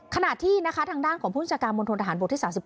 ขนาดที่ทางด้านของผู้จัดการบนโทษอาหารบทที่๓๙